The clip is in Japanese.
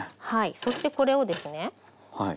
そしてこれをですね。